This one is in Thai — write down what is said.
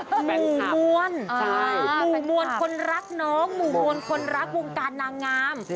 หมู่มวลหมู่มวลคนรักน้องหมู่มวลคนรักวงการนางงาม